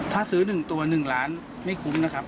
ถ้าซื้อ๑ตัว๑ล้านไม่คุ้มนะครับ